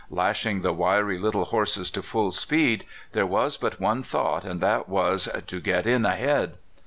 Lashing the wiry little horses to full speed, there was but one thought, and that was, to *' get in ahead."